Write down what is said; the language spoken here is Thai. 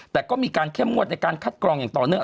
แต่ก็มีการเข้มงวดในการคัดกรองอย่างต่อเนื่อง